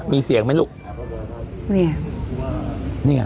มีเสียงไหมลูกเนี่ยนี่ไง